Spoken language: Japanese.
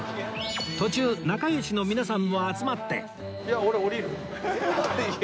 途中仲良しの皆さんも集まって